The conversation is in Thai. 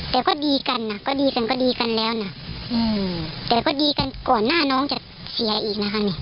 แต่ก็ดีกันเลยก็ดีกันแล้วแต่ก็ดีกันก่อนหน้าน้องจะเสียอีกนะคะ